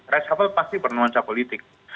resapel pasti bernuansa politik